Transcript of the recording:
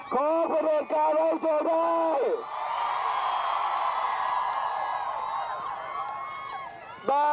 ของประเด็นกาวน์ไม่เจ้าได้